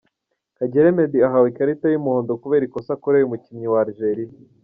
Kagere Meddy ahawe ikarita y’umuhondo kubera ikosa akoreye umukinnyi wa Algeria.